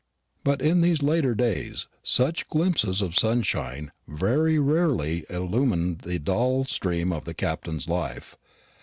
But in these latter days such glimpses of sunshine very rarely illumined the dull stream of the Captain's life.